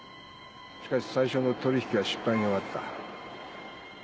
しかし最初の取り引きは失敗に終わった。